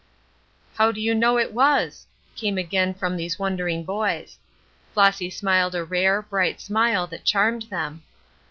"How do you know it was?" came again from these wondering boys. Flossy smiled a rare, bright smile that charmed them.